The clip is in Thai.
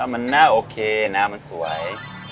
มันน่าโอเคน้ำมันสวย